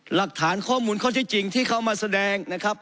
หรือค่าข้อมูลเขาใช้จริงที่เขาออกมาแสดงนะครับ